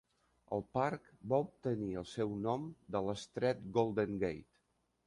El parc va obtenir el seu nom de l'Estret Golden Gate.